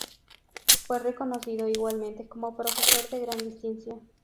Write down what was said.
Fue reconocido igualmente como profesor de gran distinción.